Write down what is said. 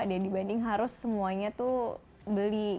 dibanding harus semuanya tuh beli